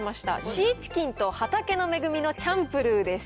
シーチキンと畑の恵みのチャンプルーです。